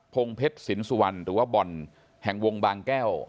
งเพชรสินสุวรรณหรือว่าบ่อนแห่งวงบางแก้ว